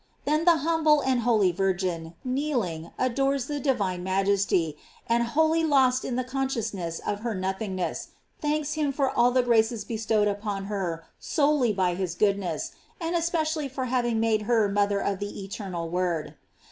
Then the humble and holy Vir* GLORIES OF MAEY. 505 gin, kneeling, adores the divine majesty, and wholly lost in the consciousness of her nothing ness, thanks him for all the graces bestowed upon her solely by his goodness, and especially for having made her mother of the eternal Word.